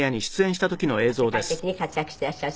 世界的に活躍していらっしゃる